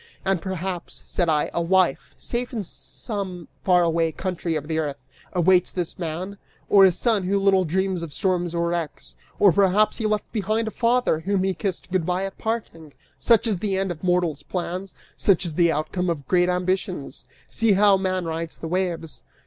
"And perhaps," said I, "a wife, safe in some far away country of the earth, awaits this man, or a son who little dreams of storms or wrecks; or perhaps he left behind a father, whom he kissed good by at parting! Such is the end of mortal's plans, such is the outcome of great ambitions! See how man rides the waves!"